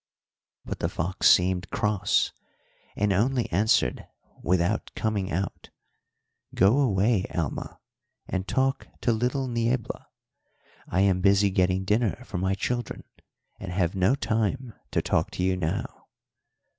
But the fox seemed cross, and only answered, without coming out, 'Go away, Alma, and talk to little Niebla. I am busy getting dinner for my children and have no time to talk to you now.'